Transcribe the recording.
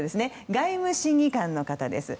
外務審議官の方です。